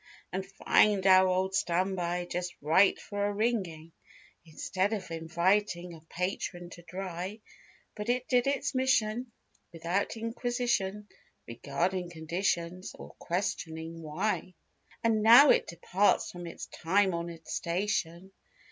And find our old standby just right for a wringing. Instead of inviting a patron to dry; But it did its mission without inquisition Regarding conditions or questioning why. And now it departs from its time honored station.